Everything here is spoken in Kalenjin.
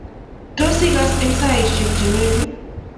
Tos, igasa eng saishek chengering?